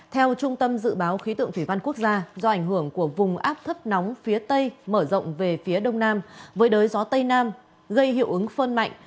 theo trung tâm dự báo khí tượng thủy văn quốc gia do ảnh hưởng của vùng áp thấp nóng phía tây mở rộng về phía đông nam với đới gió tây nam gây hiệu ứng phơn mạnh